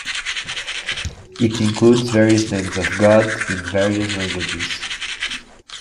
It includes various names of God in various languages.